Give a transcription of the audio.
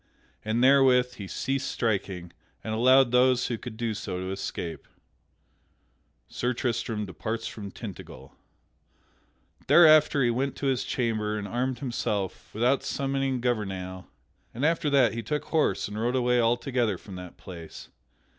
And therewith he ceased striking, and allowed those who could do so to escape. [Sidenote: Sir Tristram departs from Tintagel] Thereafter he went to his chamber and armed himself without summoning Gouvernail, and after that he took horse and rode away altogether from that place.